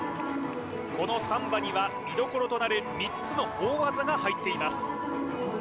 このサンバには見どころとなる３つの大技が入っています